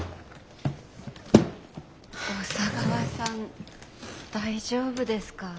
小佐川さん大丈夫ですか？